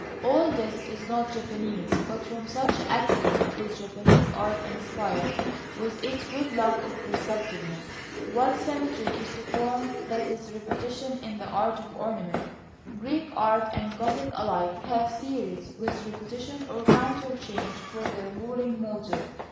All this is not Japanese, but from such accident is Japanese art inspired, with its good luck of perceptiveness. What symmetry is to form, that is repetition in the art of ornament. Greek art and Gothic alike have series, with repetition or counter change for their ruling motive.